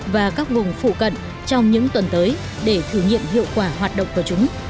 và các vùng phụ cận trong những tuần tới để thử nghiệm hiệu quả hoạt động của chúng